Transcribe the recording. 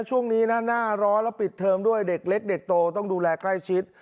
ช่วงนี้นะหน้าร้อนแล้วปิดเทอมด้วยเด็กเล็กเด็กโตต้องดูแลใกล้ชิด